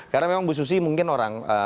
karena memang bu susi mungkin orang